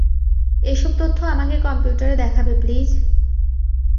এসব তথ্য আমাকে কম্পিউটারে দেখাবে প্লিজ?